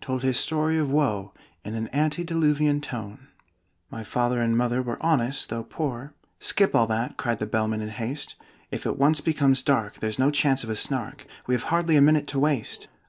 told his story of woe In an antediluvian tone. "My father and mother were honest, though poor " "Skip all that!" cried the Bellman in haste. "If it once becomes dark, there's no chance of a Snark We have hardly a minute to waste!"